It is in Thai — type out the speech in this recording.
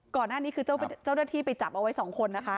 ก่อนหน้านี้คือเจ้าหน้าที่ไปจับเอาไว้๒คนนะคะ